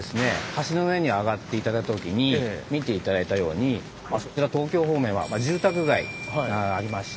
橋の上にあがって頂いた時に見て頂いたように東京方面は住宅街がありまして。